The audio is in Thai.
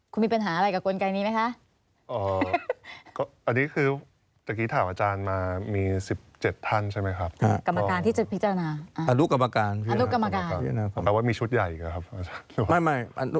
คุณมีปัญหาอะไรกับกลไกนี้ไหมคะ